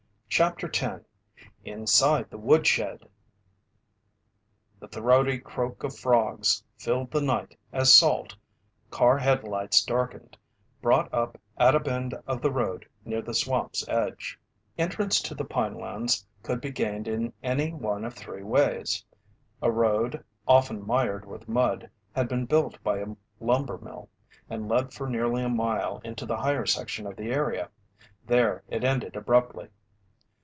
CHAPTER 10 INSIDE THE WOODSHED The throaty croak of frogs filled the night as Salt, car headlights darkened, brought up at a bend of the road near the swamp's edge. Entrance to the pinelands could be gained in any one of three ways. A road, often mired with mud, had been built by a lumber mill, and led for nearly a mile into the higher section of the area. There it ended abruptly.